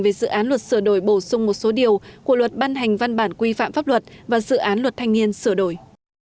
về dự án luật sửa đổi bổ sung một số điều của luật ban hành văn bản quy phạm pháp luật và dự án luật thanh niên sửa đổi